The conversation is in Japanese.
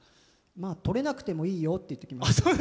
とれなくてもいいよって言ってくれます。